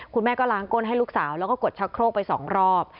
คุณแม่ก็ล้างก้นให้ลูกสาวแล้วก็กดชักโครกไป๒รอบ